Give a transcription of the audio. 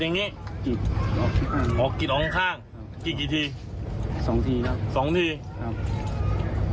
อย่างงี้อ๋อกรีดออกข้างกรีดกี่ทีสองทีสองทีครับ